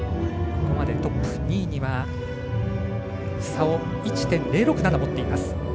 ここまでトップ、２位には差を１．０６７持っています。